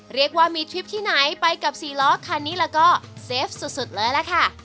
เรียกว่ามีทริปที่ไหนไปกับสี่ล้อคันนี้แล้วก็เซฟสุดเลยล่ะค่ะ